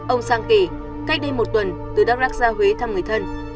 ông sang kể cách đây một tuần từ đắk rắc ra huế thăm người thân